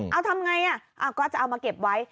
เอาทำไงก็จะเอามาเก็บไว้